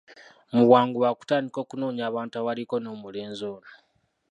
Mu bwangu baakutandika okunoonya abantu abaaliko n'omulenzi ono.